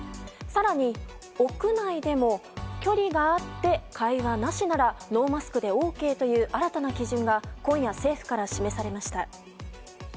更に、屋内でも距離があって会話なしならノーマスクでＯＫという新たな基準が今夜、政府から示されました。